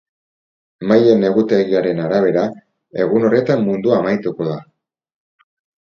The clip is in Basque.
Maien egutegiaren arabera, egun horretan mundua amaituko da.